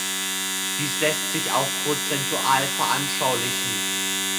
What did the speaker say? Dies lässt sich auch prozentual veranschaulichen.